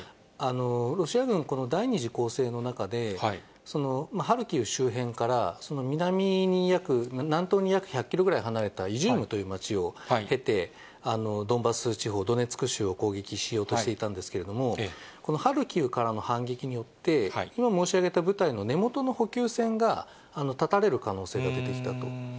ロシア軍、第２次攻勢の中で、ハルキウ周辺から南に、南東に約１００キロ離れたイジュームという町を経て、ドンバス地方、ドネツク州を攻撃しようとしていたんですけれども、このハルキウからの反撃によって、今申し上げた部隊の根元の補給せんが絶たれる可能性が出てきたと。